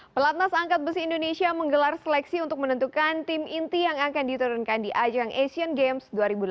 pelatnas angkat besi indonesia menggelar seleksi untuk menentukan tim inti yang akan diturunkan di ajang asian games dua ribu delapan belas